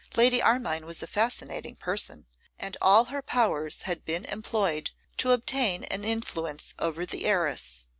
Lady Armine was a fascinating person, and all her powers had been employed to obtain an influence over the heiress.